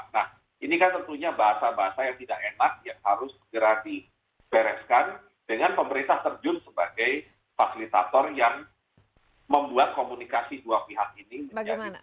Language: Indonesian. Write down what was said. nah ini kan tentunya bahasa bahasa yang tidak enak yang harus segera dibereskan dengan pemerintah terjun sebagai fasilitator yang membuat komunikasi dua pihak ini menjadi penting